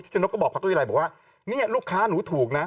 ชนกก็บอกพักเก้าวิรัยบอกว่าเนี่ยลูกค้าหนูถูกนะ